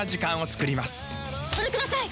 それください！